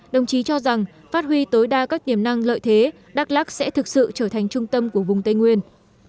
đồng chí cho rằng phát huy tối đa các tiềm năng lợi thế đắk lắc sẽ thực sự trở thành trung tâm của vùng tây nguyên